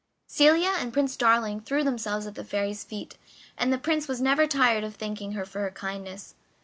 Celia and Prince Darling threw themselves at the Fairy's feet, and the Prince was never tired of thanking her for her kindness.